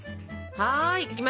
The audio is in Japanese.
はい！